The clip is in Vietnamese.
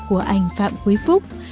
của anh phạm quế phúc